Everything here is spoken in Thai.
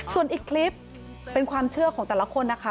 ส่วนอีกคลิปเป็นความเชื่อของแต่ละคนนะคะ